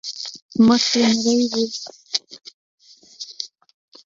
مخ يې نرى و.